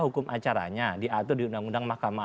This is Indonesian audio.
hukum acaranya diatur di undang undang mahkamah